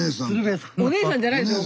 おねえさんじゃないですよ